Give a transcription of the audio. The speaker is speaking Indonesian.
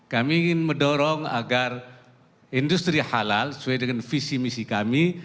kami ingin mendorong agar industri halal sesuai dengan visi misi kami